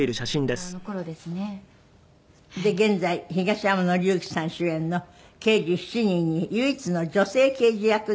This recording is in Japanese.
で現在東山紀之さん主演の『刑事７人』に唯一の女性刑事役でご出演。